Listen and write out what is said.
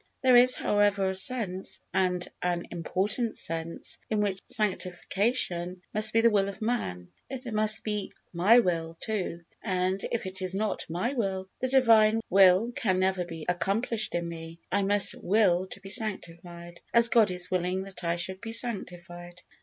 There is, however, a sense, and an important sense, in which sanctification must be the will of man. It must be my will, too, and if it is not my will, the Divine will can never be accomplished in me. I must will to be sanctified, as God is willing that I should be sanctified.